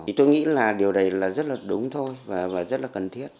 thì tôi nghĩ là điều này là rất là đúng thôi và rất là cần thiết